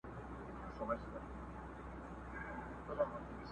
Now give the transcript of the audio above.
زه هم ځان سره یو څه دلیل لرمه.